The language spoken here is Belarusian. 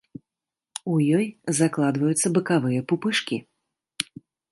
У ёй закладваюцца бакавыя пупышкі.